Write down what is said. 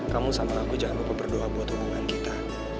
kamu sama aku jangan lupa berdoa buat hubungan kita